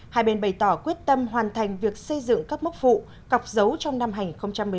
hai bên bày tỏ quyết tâm hoàn thành việc xây dựng các mốc phụ cọc dấu trong năm hành một mươi bảy